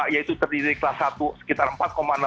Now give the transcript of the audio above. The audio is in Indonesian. yaitu terdiri dari kelas satu sekitar rp empat enam ratus